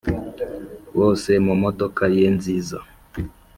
bose mumodoka ye nziza